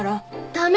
駄目！